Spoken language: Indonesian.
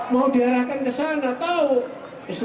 mau diarahkan ke sana tahu